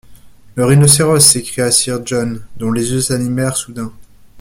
Le rhinocéros! s’écria sir John, dont les yeux s’animèrent soudain.